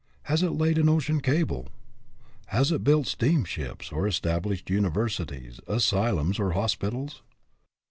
Has it laid an ocean cable ? Has it built steam ships, or established universities, asylums, or hospitals?